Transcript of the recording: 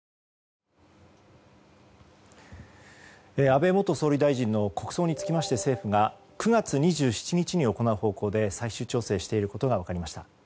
安倍元総理大臣の国葬につきまして政府が９月２７日に行う方向で最終調整していることが分かりました。